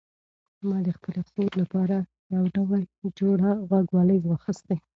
ما د خپلې خور لپاره یو نوی جوړه غوږوالۍ واخیستې.